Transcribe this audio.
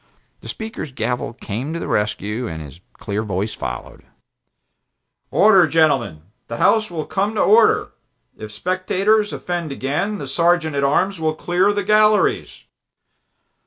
The Speaker's gavel came to the rescue and his clear voice followed: "Order, gentlemen ! The House will come to order! If spectators offend again, the Sergeant at arms will clear the galleries!"